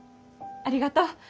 ありがとう。